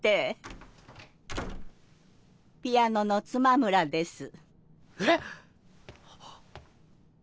バタンピアノの妻村です。